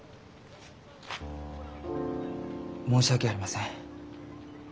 申し訳ありません。